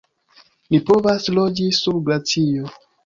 "Ni povas loĝi sur glacio!"